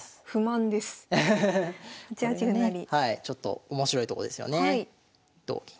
ちょっと面白いとこですよね。